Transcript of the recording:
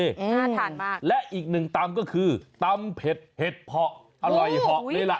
น่าทานมากและอีกหนึ่งตำก็คือตำเผ็ดเห็ดเพาะอร่อยเหาะเลยล่ะ